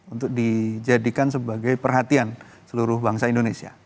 untuk dijadikan sebagai perhatian seluruh bangsa indonesia